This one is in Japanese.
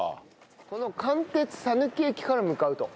この関鉄佐貫駅から向かうと。